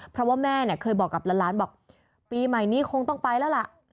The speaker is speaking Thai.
เพราะว่าแม่เนี่ยเคยบอกกับหลานบอกปีใหม่นี้คงต้องไปแล้วล่ะ